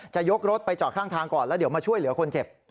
จะยกรถไปจอดข้างทางก่อนแล้วเดี๋ยวมาช่วยเหลือคนเจ็บ